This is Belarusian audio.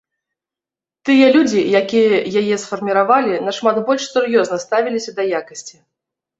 Тыя людзі, якія яе сфарміравалі, нашмат больш сур'ёзна ставіліся да якасці.